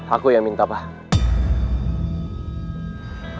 aku yang minta pak